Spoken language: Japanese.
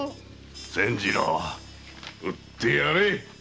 千治郎売ってやれ